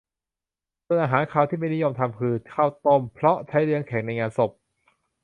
ส่วนอาหารคาวที่ไม่นิยมทำคือ ข้าวต้ม เพราะใช้เลี้ยงแขกในงานศพ